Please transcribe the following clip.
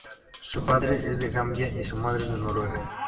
Su padre es de Gambia y su madre es noruega.